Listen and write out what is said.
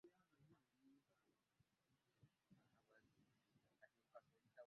Ono era Pulezidenti Yoweri Kaguta Museveni y'agenda okubeera omukungubazi omukulu